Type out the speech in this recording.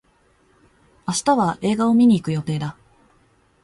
明日は映画を観に行く予定だ。